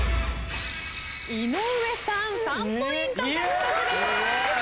井上さん３ポイント獲得です！